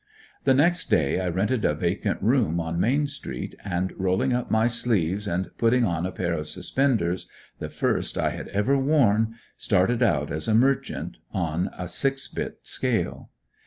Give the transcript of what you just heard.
The next day I rented a vacant room on Main street and, rolling up my sleeves and putting on a pair of suspenders, the first I had ever worn, started out as a merchant on a six bit scale.